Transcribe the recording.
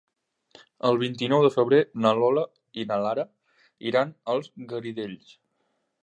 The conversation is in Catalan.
El vint-i-nou de febrer na Lola i na Lara iran als Garidells.